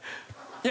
いや。